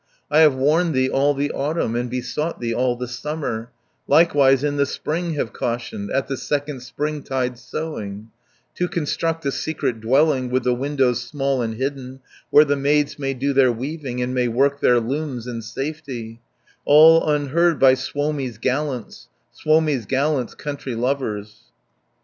"I have warned thee all the autumn, And besought thee all the summer, Likewise in the spring have cautioned, At the second springtide sowing, To construct a secret dwelling, With the windows small and hidden, Where the maids may do their weaving, And may work their looms in safety, 480 All unheard by Suomi's gallants, Suomi's gallants, country lovers."